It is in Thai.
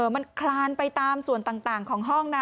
มันคลานไปตามส่วนต่างของห้องนะ